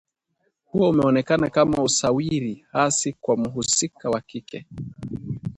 Huo umeonekana kama usawiri hasi kwa mhusika wa kike